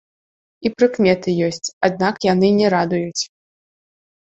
І прыкметы ёсць, аднак яны не радуюць.